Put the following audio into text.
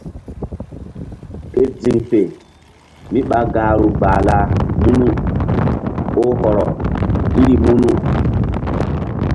Ke ziŋ fe mi ɓa gahru gbahla munu oh hɔrɔ iri munu.